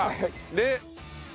で。